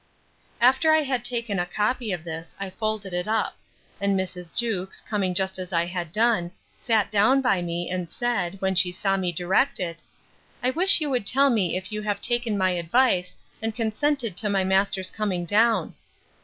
After I had taken a copy of this, I folded it up; and Mrs. Jewkes, coming just as I had done, sat down by me; and said, when she saw me direct it, I wish you would tell me if you have taken my advice, and consented to my master's coming down.